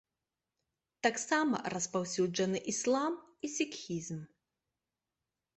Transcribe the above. Таксама распаўсюджаны іслам і сікхізм.